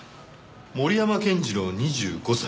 森山健次郎２５歳。